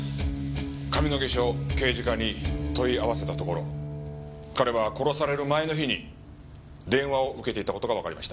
上野毛署刑事課に問い合わせたところ彼は殺される前の日に電話を受けていた事がわかりました。